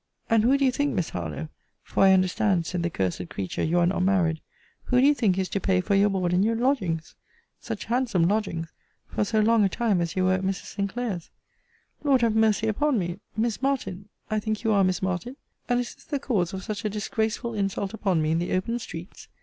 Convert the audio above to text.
And who do you think, Miss Harlowe; for I understand, said the cursed creature, you are not married; who do you think is to pay for your board and your lodgings! such handsome lodgings! for so long a time as you were at Mrs. Sinclair's? Lord have mercy upon me! Miss Martin, (I think you are Miss Martin!) And is this the cause of such a disgraceful insult upon me in the open streets?